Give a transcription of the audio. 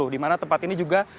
di mana tempat ini juga